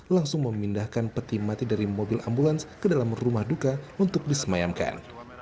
langsung memindahkan peti mati dari mobil ambulans ke dalam rumah duka untuk disemayamkan